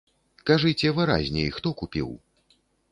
Кажыце выразней, хто купіў?